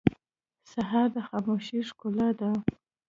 سهار د خاموشۍ ښکلا ده.